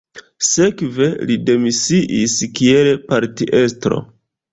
Sekve li demisiis kiel partiestro.